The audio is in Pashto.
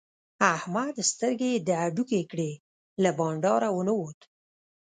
احمد سترګې د هډوکې کړې؛ له بانډاره و نه وت.